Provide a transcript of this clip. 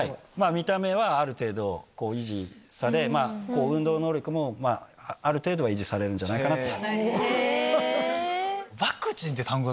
見た目はある程度、維持され、運動能力も、ある程度は維持されるんじゃないかなと。